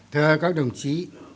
thưa các đồng chí